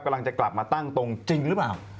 กำลังจะกลับมาตั้งตรงจริงหรือเปล่า